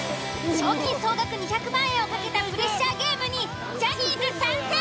賞金総額２００万円を懸けたプレッシャーゲームにジャニーズ参戦！